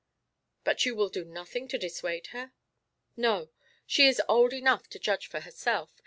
"But you will do nothing to dissuade her?" "No; she is old enough to judge for herself.